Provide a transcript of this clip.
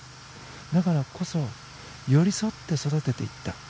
だからこそ、寄り添って育てていった。